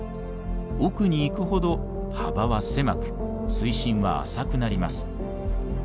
奥に行くほど幅は狭く水深は浅くなります。